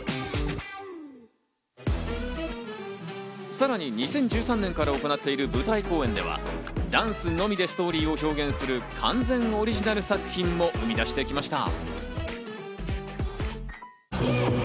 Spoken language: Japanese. さらに２０１３年から行っている舞台公演ではダンスのみでストーリーを表現する完全オリジナル作品も生み出してきました。